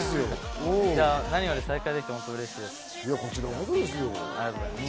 何より再会できて嬉しいです。